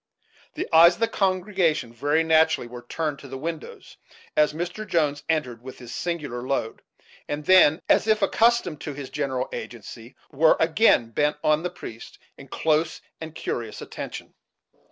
The eyes of the congregation, very naturally, were turned to the windows, as Mr. Jones entered with his singular load; and then, as if accustomed to his "general agency," were again bent on the priest, in close and curious attention.